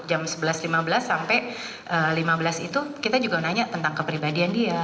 jam sebelas lima belas sampai lima belas itu kita juga nanya tentang kepribadian dia